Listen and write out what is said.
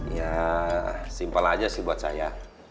ya simpel aja sih buat saya